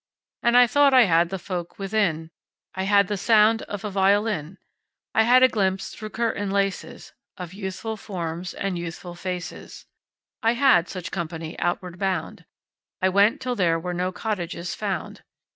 And I thought I had the folk within: I had the sound of a violin; I had a glimpse through curtain laces Of youthful forms and youthful faces. I had such company outward bound. I went till there were no cottages found.